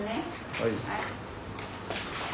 はい。